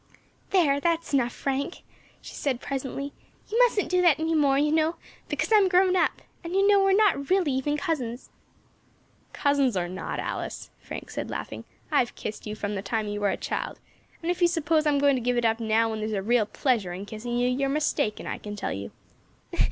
"There, that's enough, Frank," she said presently. "You mustn't do that any more, you know, because I am grown up, and you know we are not really even cousins." "Cousins or not, Alice," Frank said, laughing, "I have kissed you from the time you were a child, and if you suppose I am going to give it up now, when there is a real pleasure in kissing you, you are mistaken, I can tell you."